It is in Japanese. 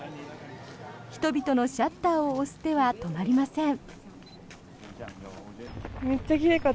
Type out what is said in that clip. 人々のシャッターを押す手は止まりません。